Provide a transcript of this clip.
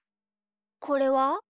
これは？